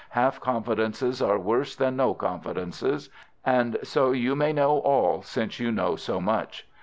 Half confidences are worse than no confidences, and so you may know all since you know so much.